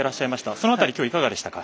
その辺りはきょうはいかがでしたか。